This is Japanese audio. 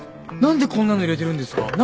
何でこんなの入れてるんですか？